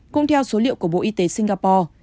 cũng theo số liệu của bộ y tế singapore